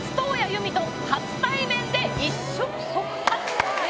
由実と初対面で一触即発！